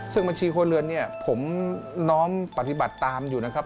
ซึ่งบัญชีครัวเรือนเนี่ยผมน้อมปฏิบัติตามอยู่นะครับ